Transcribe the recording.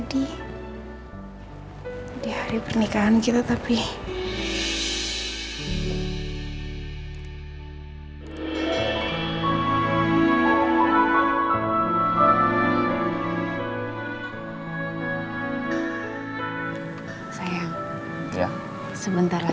di hari pertama kita jadi suami istri